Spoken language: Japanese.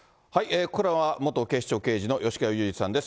ここからは元警視庁刑事の吉川祐二さんです。